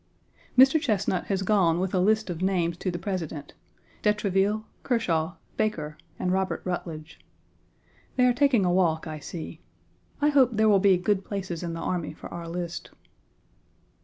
Mr. Chesnut has gone with a list of names to the President de Treville, Kershaw, Baker, and Robert Rutledge. They are taking a walk, I see. I hope there will be good places in the army for our list.